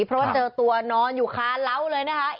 เพราะว่าเจอตัวนอนอยู่คาเล้าเลยนะคะ